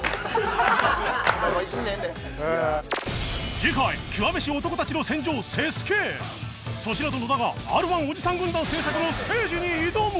次回極めし男たちの戦場粗品と野田が Ｒ−１ おじさん軍団製作のステージに挑む！